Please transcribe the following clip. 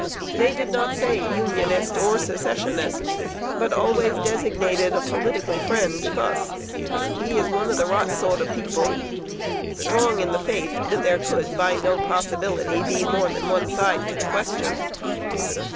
They did not say "Unionist," or "Secessionist," but always designated a political friend thus: "He is one of the right sort of people" strong in the faith that there could, by no possibility, be more than one side to the question.